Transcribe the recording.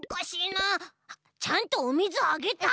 ちゃんとおみずあげた？